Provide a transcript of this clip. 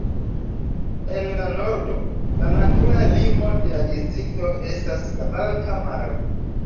En la nordo, la natura limo de la distrikto estas la Balta Maro.